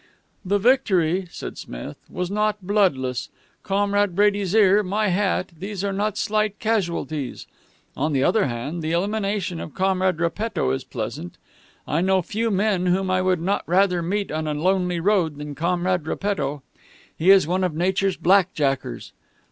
"The victory," said Smith, "was not bloodless. Comrade Brady's ear, my hat these are not slight casualties. On the other hand, the elimination of Comrade Repetto is pleasant. I know few men whom I would not rather meet on a lonely road than Comrade Repetto. He is one of nature's black jackers.